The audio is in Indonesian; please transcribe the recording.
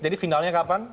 jadi finalnya kapan